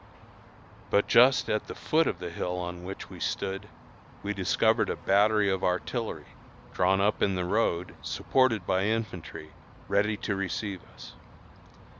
But just at the foot of the hill on which we stood, we discovered a battery of artillery, drawn up in the road, supported by infantry, ready to receive us.